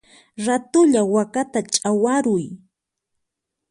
Ratulla wakata chawaruy!